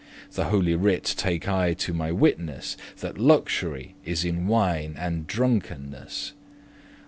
The Holy Writ take I to my witness, That luxury is in wine and drunkenness.